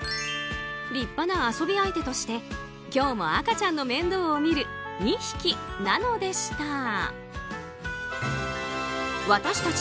立派な遊び相手として今日も赤ちゃんの面倒を見る２匹なのでした。